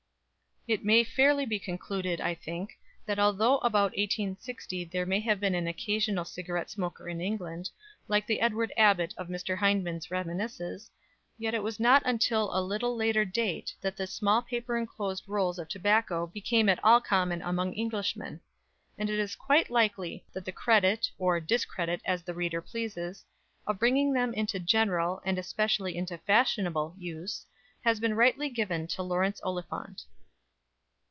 It may fairly be concluded, I think, that although about 1860 there may have been an occasional cigarette smoker in England, like the Edward Abbott of Mr. Hyndman's reminiscences, yet it was not until a little later date that the small paper enclosed rolls of tobacco became at all common among Englishmen; and it is quite likely that the credit (or discredit, as the reader pleases) of bringing them into general, and especially into fashionable, use, has been rightly given to Laurence Oliphant.